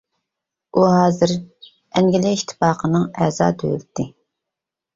ئۇ ھازىر ئەنگلىيە ئىتتىپاقىنىڭ ئەزا دۆلىتى.